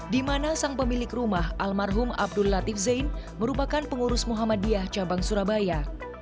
di mana sang pemilik rumah almarhum abdul latif zain merupakan pengurus muhammadiyah cabang surabaya